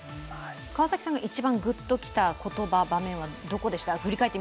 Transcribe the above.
川崎さんが一番グッときた言葉、場面はどこですか？